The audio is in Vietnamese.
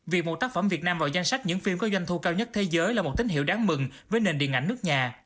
vì một tác phẩm việt nam vào danh sách những phim có doanh thu cao nhất thế giới là một tín hiệu đáng mừng với nền điện ảnh nước nhà